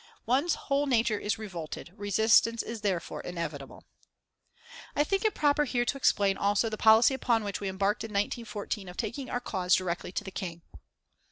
One's whole nature is revolted; resistance is therefore inevitable." I think it proper here to explain also the policy upon which we embarked in 1914 of taking our cause directly to the King.